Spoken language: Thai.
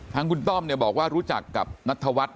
ทางคุณต้อมบอกว่ารู้จักกับนัทธวัฒน